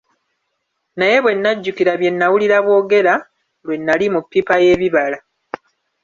Naye bwe najjukira bye nawulira boogera lwe nali mu ppipa y'ebibala.